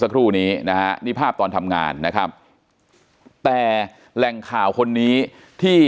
สักครู่นี้นะฮะนี่ภาพตอนทำงานนะครับแต่แหล่งข่าวคนนี้ที่